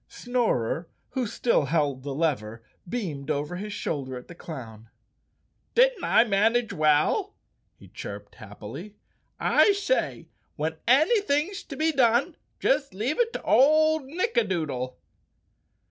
Snorer, who still held the lever, beamed over his shoulder at the clown. "Didn't I manage well?" he chirped happily. "I say, when anything's to be done just leave it to old Nick adoodle."